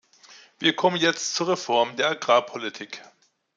Wir kommen jetzt zur Reform der Agrarpolitik.